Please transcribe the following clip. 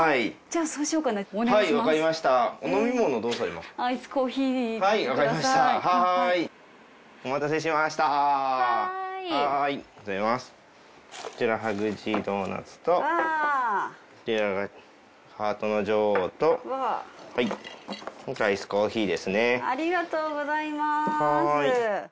ありがとうございます。